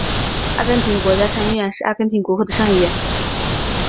阿根廷国家参议院是阿根廷国会的上议院。